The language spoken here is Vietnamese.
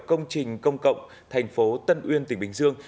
công trình công cộng tp tân uyên tỉnh bình dương